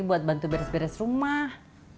buat bantu beres beres rumah